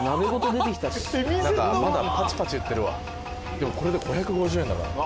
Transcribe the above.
でもこれで５５０円だから。